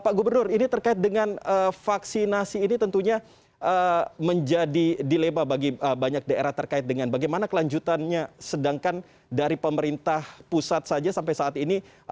pak gubernur ini terkait dengan vaksinasi ini tentunya menjadi dilema bagi banyak daerah terkait dengan bagaimana kelanjutannya sedangkan dari pemerintah pusat saja sampai saat ini